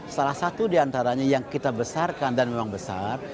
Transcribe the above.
salah satu diantaranya yang kita besarkan dan memang besar